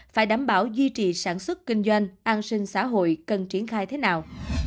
phải đảm bảo duy trì sản xuất kinh doanh an sinh xã hội cần triển khai thế nào